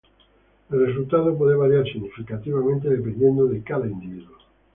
El resultado puede variar significativamente dependiendo de cada individuo.